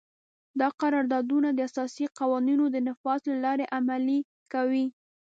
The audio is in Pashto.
دا قراردادونه د اساسي قوانینو د نفاذ له لارې عملي کوي.